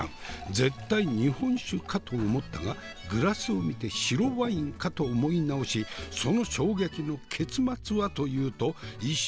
絶対日本酒かと思ったがグラスを見て白ワインかと思い直しその衝撃の結末はというと１周回って元の犯人ってか？